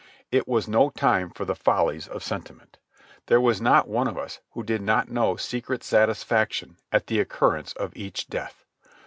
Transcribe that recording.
It was no time for the follies of sentiment. There was not one of us who did not know secret satisfaction at the occurrence of each death.